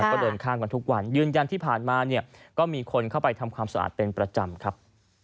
ก็เดินข้ามกันทุกวันยืนยันที่ผ่านมาเนี่ยก็มีคนเข้าไปทำความสะอาดเป็นประจำครับ